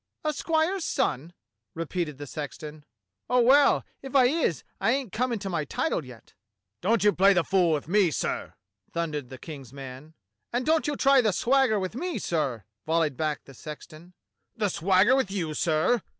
"A squire's son!" repeated the sexton. "Oh, well, if I is, I ain't come into my title yet." "Don't you play the fool with me, sir!" thundered the King's man. "And don't you try the swagger with me, sir ! "volleyed back the sexton. "The swagger with you, sir?"